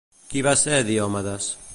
Qui va ser Diomedes?